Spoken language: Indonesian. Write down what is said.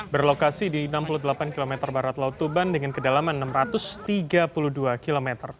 berlokasi di enam puluh delapan km barat laut tuban dengan kedalaman enam ratus tiga puluh dua km